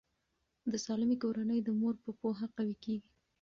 د سالمې کورنۍ د مور په پوهه قوي کیږي.